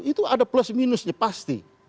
itu ada plus minusnya pasti